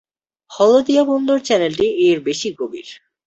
হলদিয়া বন্দর চ্যানেলটি এর বেশি গভীর।